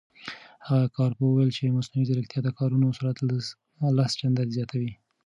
هغه کارپوه وویل چې مصنوعي ځیرکتیا د کارونو سرعت لس چنده زیاتوي.